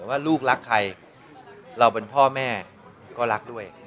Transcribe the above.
ว่าลูกรักใครเราเป็นพ่อแม่ก็รักด้วย